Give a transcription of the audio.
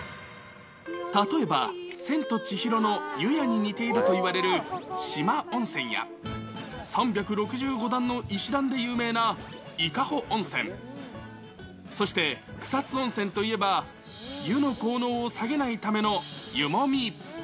例えば、千と千尋の油屋に似ているといわれる四万温泉や、３６５段の石段で有名な伊香保温泉、そして草津温泉といえば、湯の効能を下げないための湯もみ。